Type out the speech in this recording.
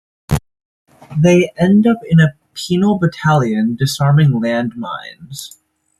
They end up in a penal battalion disarming land mines.